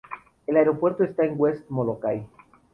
El aeropuerto está en West Molokaʻi.